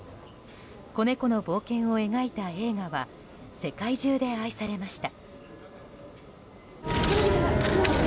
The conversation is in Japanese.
子猫の冒険を描いた映画は世界中で愛されました。